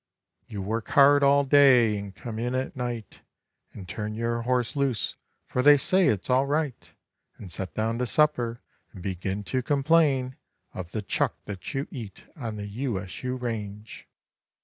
You work hard all day and come in at night, And turn your horse loose, for they say it's all right, And set down to supper and begin to complain Of the chuck that you eat on the U S U range.